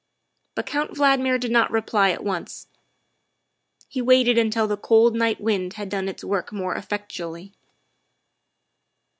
But Count Valdmir did not reply at once. He waited until the cold night wind had done its work more effectu ally.